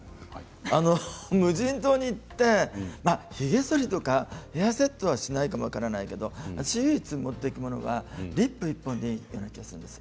無人島に行ってひげそりとかヘアセットはしないかも分からないけど私、唯一持っていくものがリップ１本でいい気がするんです。